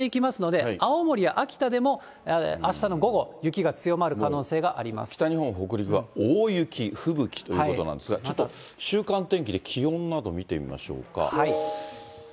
その低気圧は午後になると青森県のほうへと南下していきますので、青森、秋田でもあしたの午後、北日本、北陸は大雪、吹雪ということなんですが、ちょっと週間天気で気温など見てみましょうか。